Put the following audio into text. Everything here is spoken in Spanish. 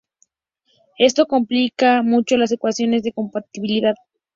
Eso complica mucho las ecuaciones de compatibilidad.